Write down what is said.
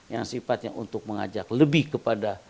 yang sifatnya untuk mengajak lebih kepada